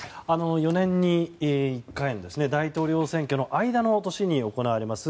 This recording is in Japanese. ４年に１回の大統領選挙の間の年に行われます